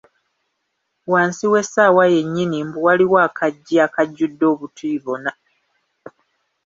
wansi w’essaawa yennyini mbu waliwo akaggi akajjudde obutiribona.